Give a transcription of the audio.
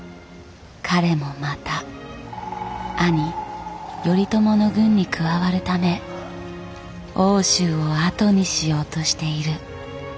彼もまた兄頼朝の軍に加わるため奥州を後にしようとしている。